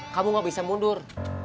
kamu gak bisa mundur